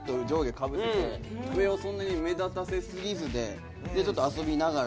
上をそんなに目立たせすぎずでちょっと遊びながら。